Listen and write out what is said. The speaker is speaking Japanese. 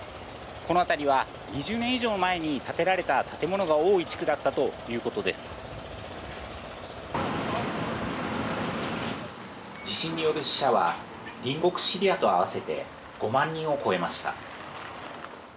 この辺りは２０年以上も前に建てられた建物の多かった地区だとい地震による死者は隣国シリアと合わせて５万人を超えました。